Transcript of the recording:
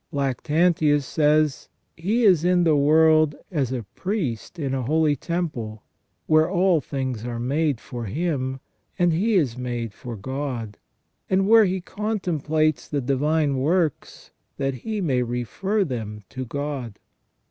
Lactantius says :" He is in the world as a priest in a holy temple, where all things are made for him, as he is made for God ; and where he contemplates the divine works that he may refer them to God